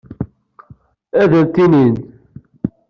Ad am-t-inin.